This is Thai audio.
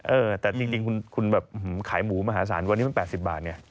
เออแต่จริงคุณแบบขายหมูมหาศาลวันนี้มัน๘๐บาทไง